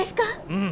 うん。